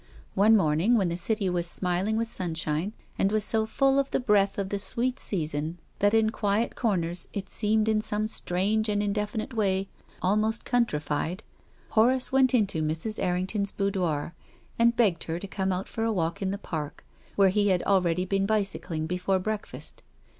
One morning, when the City was smiling with sunshine, and was so full of the breath of the sweet season that in quiet 348 TONGUES OF CONSCIENCE. corners it seemed in some strange and indefinite way almost countrified, Horace went into Mrs. Errington's boudoir and begged her to come out for a walk in the Park, where he had already been bicycling before breakfast.